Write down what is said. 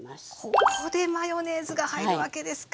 ここでマヨネーズが入るわけですか。